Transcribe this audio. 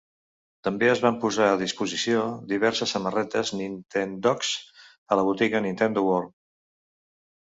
També es van posar a disposició diverses samarretes "Nintendogs" a la botiga Nintendo World.